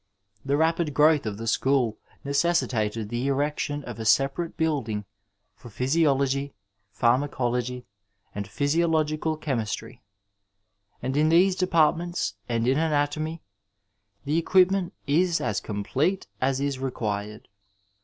The rapid growth of the school necessitated the earection of a separate building for physiologyi pharmacology and physiological ^ chemistry, and in these departments and in anatomy the 406 Digitized by VjOOQIC THE FIXED PERIOD eqmpment is «6 complete as is zequixed.